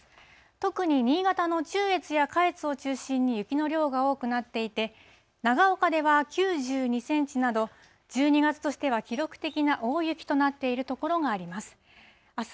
特に新潟の中越や下越を中心に雪の量が多くなっていて、長岡では９２センチなど、１２月としては記録的な大雪となっている所があります。